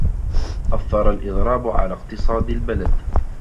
أثًّر الإضراب على اقتصاد البلاد.